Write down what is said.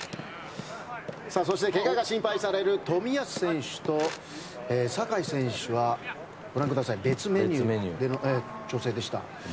そして、怪我が心配される冨安選手と酒井選手は、ご覧ください別メニューでの調整でした。